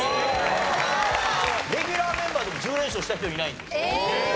レギュラーメンバーでも１０連勝した人いないんです。